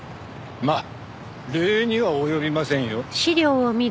まあ礼には及びませんよ。